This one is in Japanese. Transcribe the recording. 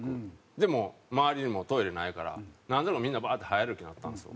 でも周りにもトイレないからなんとなくみんなバーッて早歩きになったんですよ。